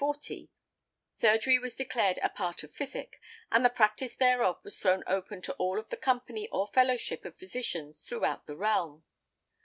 40, surgery was declared a part of physic, and the practice thereof was thrown open to all of the company or fellowship of physicians throughout the realm.